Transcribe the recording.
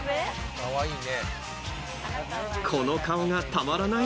かわいいな。